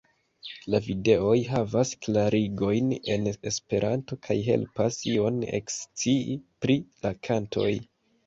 La videoj havas klarigojn en Esperanto kaj helpas ion ekscii pri la kantoj.